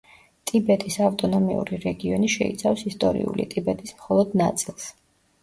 ტიბეტის ავტონომიური რეგიონი შეიცავს ისტორიული ტიბეტის მხოლოდ ნაწილს.